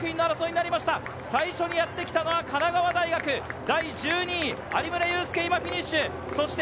最初にやってきたのは神奈川大学、第１２位・有村祐亮、フィニッシュ。